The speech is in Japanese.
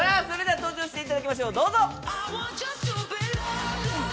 それでは登場していただきましょう、どうぞ。